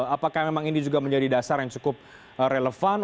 apakah memang ini juga menjadi dasar yang cukup relevan